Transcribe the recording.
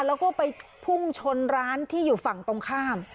แล้วก็ไปพุ่งชนร้านที่อยู่ฝั่งตรงข้าม